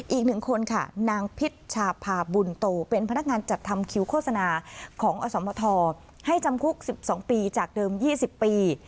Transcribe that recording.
อีกหนึ่งคนค่ะนางพิชชาพาบุญโตเป็นพนักงานจัดทำคิวโฆษณาของอสมทให้จำคุก๑๒ปีจากเดิม๒๐ปี